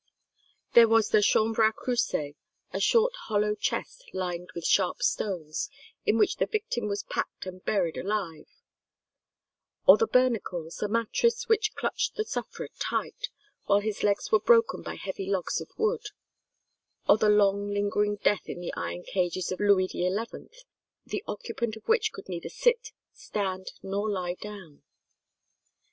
There was the chambre à crucer, a short hollow chest lined with sharp stones, in which the victim was packed and buried alive; or the "bernicles," a mattress which clutched the sufferer tight, while his legs were broken by heavy logs of wood; or the long lingering death in the iron cages of Louis XI, the occupant of which could neither sit, stand, nor lie down.